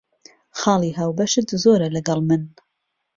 خاڵی هاوبەشت زۆرە لەگەڵ من.